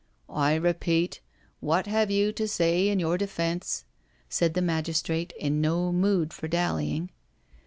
" I repeat, what have you to say in your defence?" said the magistrate in no mood for dallying.